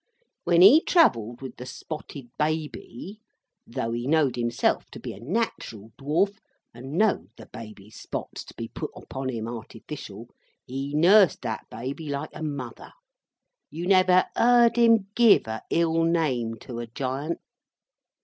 When he travelled with the Spotted Baby—though he knowed himself to be a nat'ral Dwarf, and knowed the Baby's spots to be put upon him artificial, he nursed that Baby like a mother. You never heerd him give a ill name to a Giant.